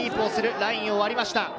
ラインを割りました。